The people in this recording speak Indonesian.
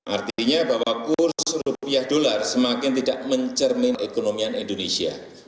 artinya bahwa kurs rupiah dolar semakin tidak mencermin ekonomi indonesia